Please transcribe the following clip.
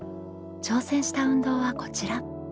挑戦した運動はこちら。